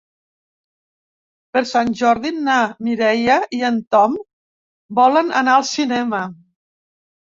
Per Sant Jordi na Mireia i en Tom volen anar al cinema.